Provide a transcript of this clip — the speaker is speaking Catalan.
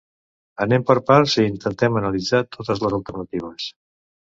Anem per parts i intentem analitzar totes les alternatives.